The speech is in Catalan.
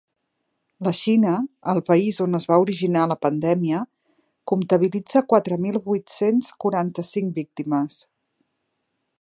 La Xina, el país on es va originar la pandèmia, comptabilitza quatre mil vuit-cents quaranta-cinc víctimes.